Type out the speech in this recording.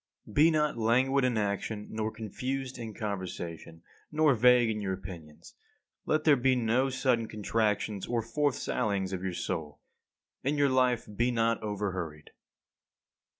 51. Be not languid in action, nor confused in conversation, nor vague in your opinions. Let there be no sudden contractions or forth sallyings of your soul. In your life be not over hurried.